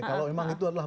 kalau memang itu adalah